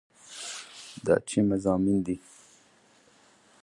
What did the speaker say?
دا چې مضامين دي